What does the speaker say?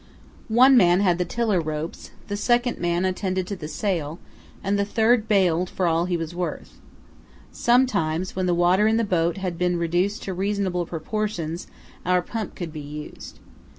One man had the tiller ropes, the second man attended to the sail, and the third baled for all he was worth. Sometimes when the water in the boat had been reduced to reasonable proportions, our pump could be used.